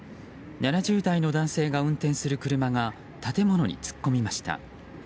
７０代の男性が運転する車が建物に突っ込みました。